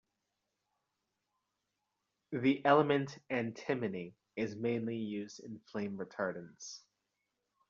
The element antimony is mainly used in flame retardants.